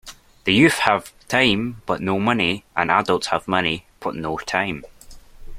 The youth have time but no money and adults have money but no time.